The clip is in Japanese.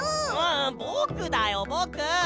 んぼくだよぼく！